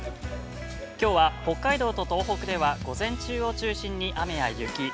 きょうは、北海道と東北では、午前中を中心に雨や雪